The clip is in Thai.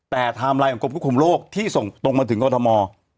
แต่ไทม์ไลน์ของกรมควบคุมโรคที่ส่งตรงมาถึงกรทม